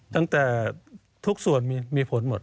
ตั้งแต่ทุกส่วนมีผลหมด